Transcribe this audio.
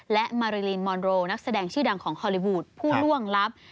และมาริลินมอนโรนักแสดงชื่อดังของฮอลลีวูดผู้ล่วงลับ